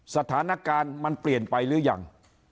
สถานการณ์มันเปลี่ยนไปหรือยัง